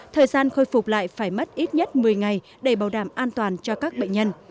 thời gian khôi phục lại phải mất ít nhất một mươi ngày để bảo đảm an toàn cho các bệnh nhân